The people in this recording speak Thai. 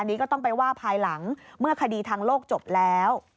อันนี้ก็ต้องไปว่าภายหลังเมื่อคดีทางโลกจบแล้ว